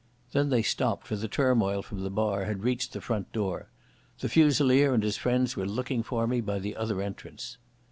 Then they stopped, for the turmoil from the bar had reached the front door. The Fusilier and his friends were looking for me by the other entrance.